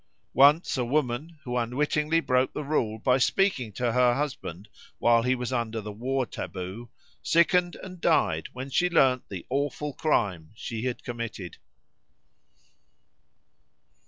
Once a woman, who unwittingly broke the rule by speaking to her husband while he was under the war taboo, sickened and died when she learned the awful crime she had committed.